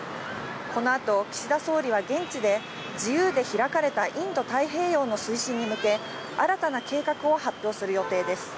このあと岸田総理は、現地で自由で開かれたインド太平洋の推進に向け、新たな計画を発表する予定です。